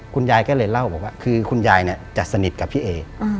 คุณยายก็เลยเล่าบอกว่าคือคุณยายจะสนิทกับพี่เอ